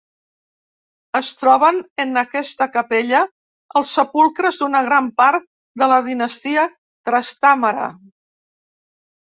Es troben en aquesta capella els sepulcres d'una gran part de la dinastia Trastàmara.